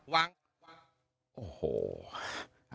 วางวางวางโอ้โห